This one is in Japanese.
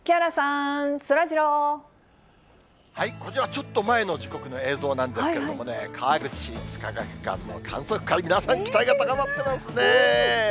ちょっと前の時刻の映像なんですけれどもね、川口市立科学館の観測会、皆さん、期待が高まってますね。